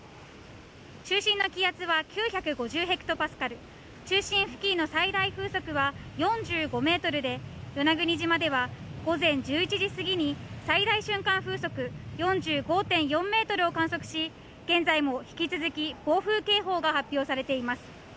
中心の気圧は９５０ｈＰａ、中心付近の最大風速は４５メートルで、与那国島では午前１１時すぎに最大瞬間風速４５．４メートルを観測し、現在も引き続き、暴風警報が発表されています。